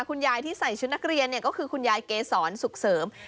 คุณยายที่ใส่ชุดนักเรียนก็คือคุณยายเกษรสุขเสริม